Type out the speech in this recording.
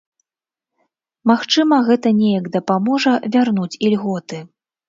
Магчыма, гэта неяк дапаможа вярнуць ільготы.